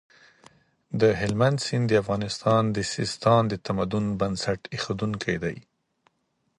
د هلمند سیند د افغانستان د سیستان د تمدن بنسټ اېښودونکی دی.